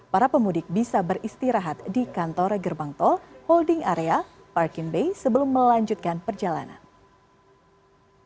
para pemudik bisa beristirahat di kantor gerbang tol holding area parking bay sebelum melanjutkan perjalanan